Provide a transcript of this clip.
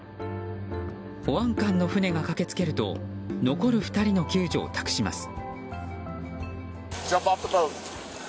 保安官の船が駆け付けると残る２人の救助を託します。